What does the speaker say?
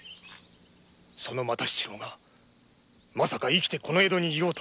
その又七郎がまさか生きてこの江戸にいようとは。